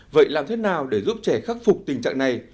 vậy làm thế nào để giúp trẻ khắc phục tình trạng này